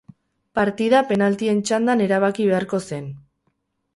Partida penaltien txandan erabaki beharko zen.